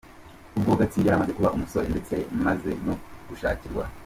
Ubwo Gatsi yari amaze kuba umusore, ndetse maze no gushakirwa.